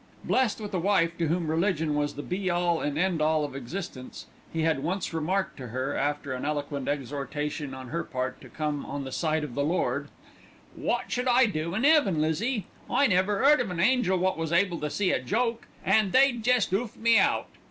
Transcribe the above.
Blessed with a wife to whom religion was the be all and end all of existence, he had once remarked to her, after an eloquent exhortation on her part to come on the side of the Lord, "Wot should I do in 'eaven, Lizzie? I never 'eard of an angel wot was able to see a joke, and they'd jest 'oof me out.